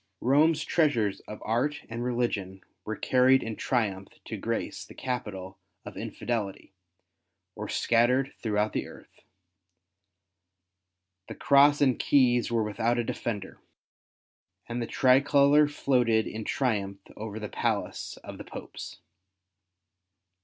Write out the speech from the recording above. Eome's treasures of art and religion were carried in triumph to grace the capital of Infidelity, or scattered throughout the earth. The Cross and Keys were without a defender, and the tricolour floated in triumph over the palace of the Popes.